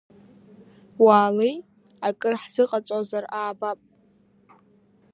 Уаалеи, акыр ҳзыҟаҵозар аабап.